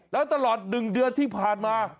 แล้วตลอด๑เดือนที่ผ่านมา